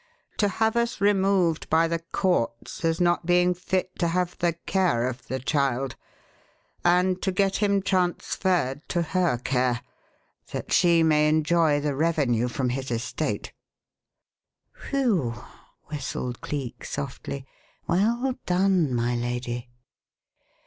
"To have us removed by the courts as not being fit to have the care of the child, and to get him transferred to her care, that she may enjoy the revenue from his estate." "Phew!" whistled Cleek softly. "Well done, my lady!"